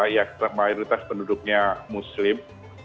ya mayoritas penduduknya muslim